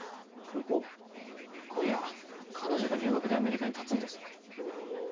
今夜彼女が留学でアメリカにたつんです。